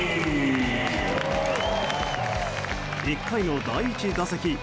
１回の第１打席。